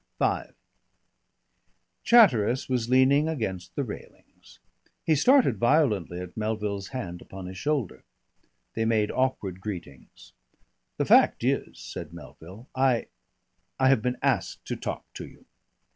V Chatteris was leaning against the railings. He started violently at Melville's hand upon his shoulder. They made awkward greetings. "The fact is," said Melville, "I I have been asked to talk to you."